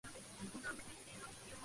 Es parte del canal Volga-Báltico.